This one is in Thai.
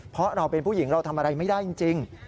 เพราะเราเป็นผู้หญิงเราทำอะไรไม่ได้จริง